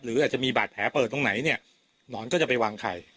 หรืออาจจะมีบาดแผลเปิดตรงไหนเนี่ยหนอนก็จะไปวางไข่